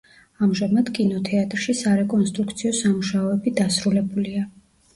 ამჟამად კინოთეატრში სარეკონსტრუქციო სამუშაოები დასრულებულია.